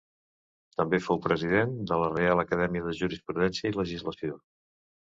També fou president de la Reial Acadèmia de Jurisprudència i Legislació.